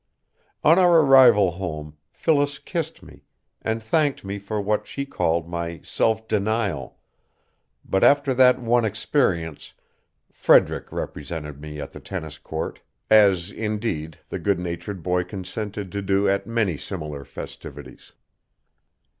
On our arrival home Phyllis kissed me, and thanked me for what she called my "self denial," but after that one experience Frederick represented me at the tennis court, as, indeed, the good natured boy consented to do at many similar festivities.